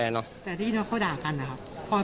แต่ที่เขาด่ากันนะครับ